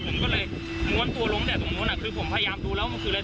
ผมก็เลยม้วนตัวลงแต่ตรงนู้นคือผมพยายามดูแล้วมันคืออะไร